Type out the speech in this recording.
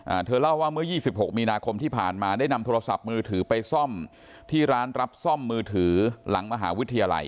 เธอเล่าว่าเมื่อยี่สิบหกมีนาคมที่ผ่านมาได้นำโทรศัพท์มือถือไปซ่อมที่ร้านรับซ่อมมือถือหลังมหาวิทยาลัย